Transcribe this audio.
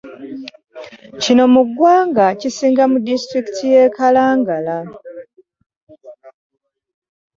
Kino mu ggwanga kisinga mu disitulikiti y'e Kalangala